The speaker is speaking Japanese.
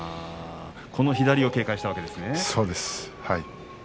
この左を警戒したわけですね。